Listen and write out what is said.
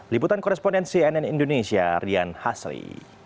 liputan korespondensi nn indonesia rian hasri